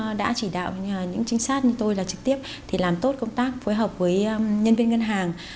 thì cũng đã chỉ đạo những chính sát như tôi là trực tiếp làm tốt công tác phối hợp với nhân viên ngân hàng